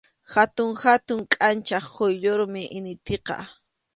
Hatun hatun kʼanchaq quyllurmi initiqa.